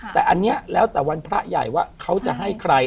แต่อันนี้แล้วแต่วันพระใหญ่ว่าเขาจะให้ใคร